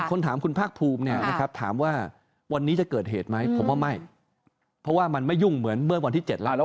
คนถามคุณภากภูมิถามว่าวันนี้จะเกิดเหตุไหมผมว่าไม่เพราะว่ามันไม่ยุ่งเหมือนวันที่๗แล้ว